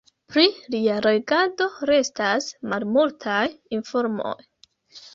Pri lia regado restas malmultaj informoj.